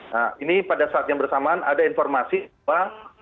nah ini pada saat yang bersamaan ada informasi bahwa